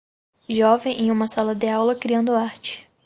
Jovem em uma sala de aula, criando arte.